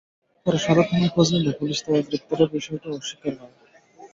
পরে সদর থানায় খোঁজ নিলে পুলিশ তাঁকে গ্রেপ্তারের বিষয়টি অস্বীকার করে।